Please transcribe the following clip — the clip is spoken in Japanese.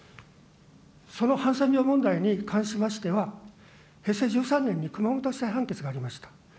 そのハンセン病問題に関しましては、平成１３年に熊本地裁判決がありました。